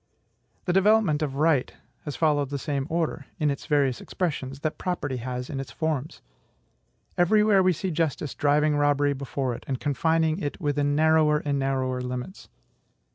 The development of right has followed the same order, in its various expressions, that property has in its forms. Every where we see justice driving robbery before it and confining it within narrower and narrower limits.